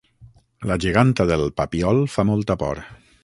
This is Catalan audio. La geganta del Papiol fa molta por